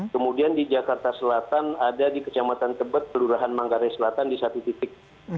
kemudian di jakarta selatan ada di kecamatan tebet kelurahan manggarai selatan di satu titik